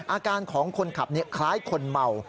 อาการของคนขับคล้ายคนเมา